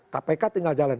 kpk tinggal jalan